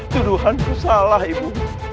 tuduhanku salah ibu